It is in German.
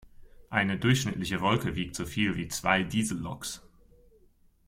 Eine durchschnittliche Wolke wiegt so viel wie zwei Dieselloks.